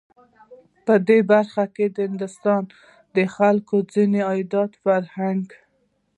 په دې برخه کې د هندوستان د خلکو ځینو عادتونو، فرهنک